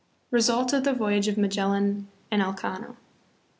Result of the Voyage of Magellan and Elcano.